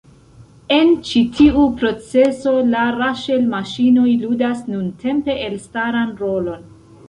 En ĉi tiu procezo la raŝel-maŝinoj ludas nuntempe elstaran rolon.